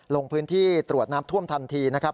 ลงพื้นที่ตรวจน้ำท่วมทันทีนะครับ